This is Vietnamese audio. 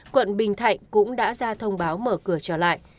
quận bình thạnh cũng đã ra thông báo mở cửa trở lại